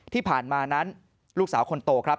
ที่ผ่านมานั้นลูกสาวคนโตครับ